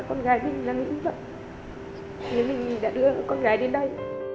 con gái mình là những vật nếu mình đã đưa con gái đến đây